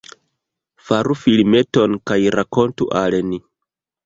Faru filmeton kaj rakontu al ni!